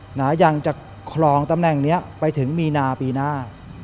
หนายังจะคลองตำแหน่งนี้ไปถึงมีนาปีหน้า